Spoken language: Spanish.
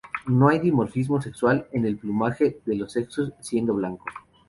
No hay dimorfismo sexual en el plumaje de los sexos, siendo blanco.